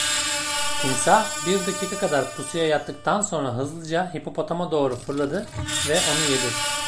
Timsah bir dakika kadar pusuya yattıktan sonra hızlıca hipopotama doğru fırladı ve onu yedi.